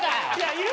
いる。